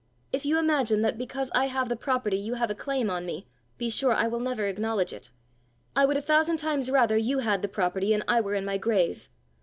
If you imagine that, because I have the property, you have a claim on me, be sure I will never acknowledge it. I would a thousand times rather you had the property and I were in my grave!"